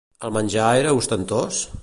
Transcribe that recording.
El menjar era ostentós?